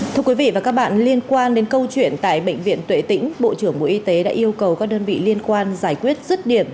thưa quý vị và các bạn liên quan đến câu chuyện tại bệnh viện tuệ tĩnh bộ trưởng bộ y tế đã yêu cầu các đơn vị liên quan giải quyết rứt điểm